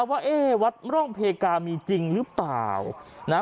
ว่าเอ๊ะวัดร่องเพกามีจริงหรือเปล่านะ